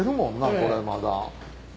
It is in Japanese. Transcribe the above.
これまだ。